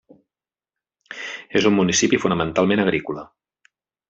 És un municipi fonamentalment agrícola.